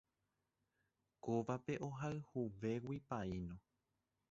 Kóvape ohayhuvégui paíno.